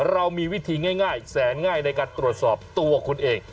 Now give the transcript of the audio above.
เรามีวิธีง่ายแสนง่ายในการตรวจสอบตัวคุณเอง